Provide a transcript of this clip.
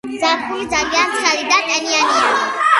ზაფხული ძალიან ცხელი და ტენიანი.